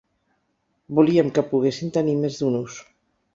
Volíem que poguessin tenir més d’un ús.